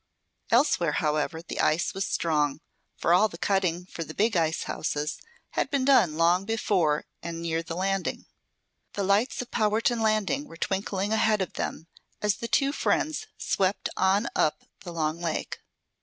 Elsewhere, however, the ice was strong, for all the cutting for the big icehouses had been done long before near the Landing. The lights of Powerton Landing were twinkling ahead of them as the two friends swept on up the long lake.